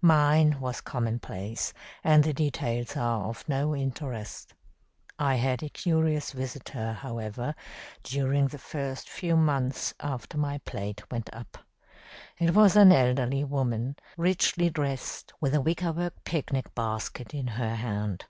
Mine was commonplace, and the details are of no interest. I had a curious visitor, however, during the first few months after my plate went up. It was an elderly woman, richly dressed, with a wickerwork picnic basket in her hand.